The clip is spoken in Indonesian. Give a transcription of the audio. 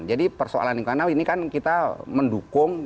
jadi persoalan lingkungan ini kan kita mendukung